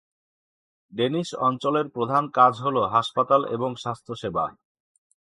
Danish অঞ্চলের প্রধান কাজ হল হাসপাতাল এবং স্বাস্থ্যসেবা।